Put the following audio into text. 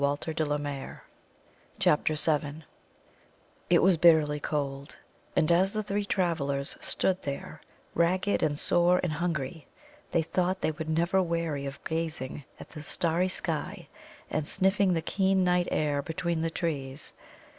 CHAPTER VII It was bitterly cold, and as the three travellers stood there, ragged and sore and hungry, they thought they would never weary of gazing at the starry sky and sniffing the keen night air between the trees.